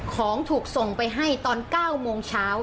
ของถูกส่งไปให้ตอน๙โมงเช้า